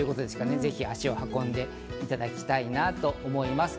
ぜひ、足を運んでいただきたいなと思います。